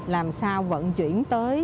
làm sao vận chuyển tới